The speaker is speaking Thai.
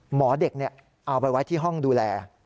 หมอเด็กเอาไปไว้ที่ห้องดูแล